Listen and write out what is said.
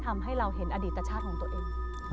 ทำให้เราเห็นอดีตชาติของตัวเอง